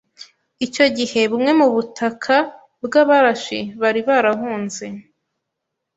Icyo gihe bumwe mu butaka bw’abarashi bari barahunze